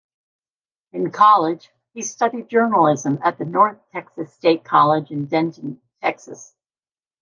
In college, he studied journalism at the North Texas State College in Denton, Texas.